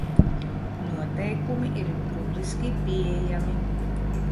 Noteikumi ir publiski pieejami.